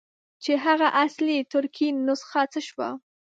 چې هغه اصلي ترکي نسخه څه شوه.